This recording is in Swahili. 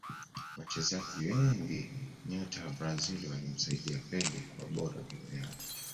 Wachezaji wengi nyota wa Brazil walimsaidia pele kuwa bora duniani